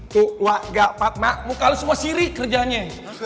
tuh wa ga pa ma muka lu semua sirik kerjaannya